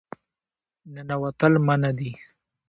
ننوتل منع دي